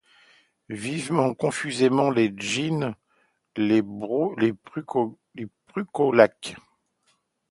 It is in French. Vivent confusément les djinns, les brucolaques